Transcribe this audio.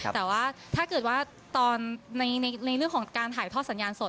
แต่ว่าถ้าเกิดว่าตอนในเรื่องของการถ่ายทอดสัญญาณสด